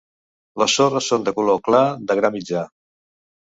Les sorres són de color clar, de gra mitjà.